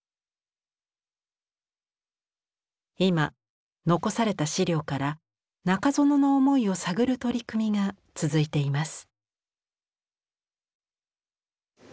今遺された資料から中園の思いを探る取り組みが続いています。